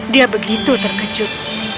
dia begitu terkejut